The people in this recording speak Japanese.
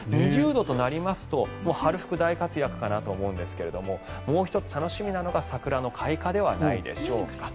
２０度となりますともう春服が大活躍かなと思うんですがもう１つ、楽しみなのが桜の開花ではないでしょうか。